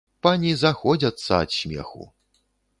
Пані заходзяцца ад смеху.